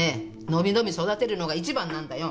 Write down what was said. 伸び伸び育てるのが一番なんだよ。